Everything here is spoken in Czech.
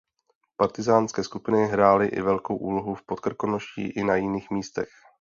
Partyzánské skupiny hrály i velkou úlohu v Podkrkonoší i na jiných místech.